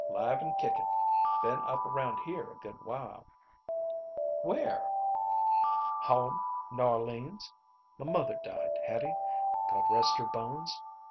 'Live and kickin'. Been up around here a good while." "Where?" "Home. N'Orleans. M' mother died, Hattie, God rest her bones.